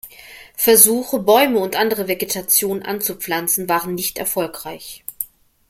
Versuche, Bäume und andere Vegetation anzupflanzen, waren nicht erfolgreich.